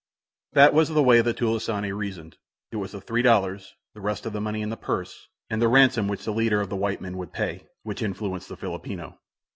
That was the way the "tulisane" reasoned. It was the three dollars, the rest of the money in the purse, and the ransom which the leader of the white men would pay, which influenced the Filipino.